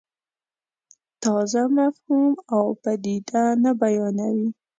تازه مفهوم او پدیده نه بیانوي.